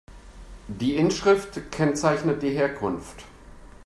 Die Inschrift kennzeichnet die Herkunft.